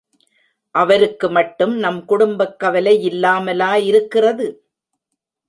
அவருக்கு மட்டும் நம் குடும்பக்கவலை யில்லாமலா இருக்கிறது?